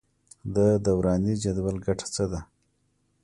د دوراني جدول ګټه څه ده.